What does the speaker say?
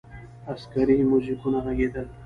عسکري موزیکونه ږغېدل.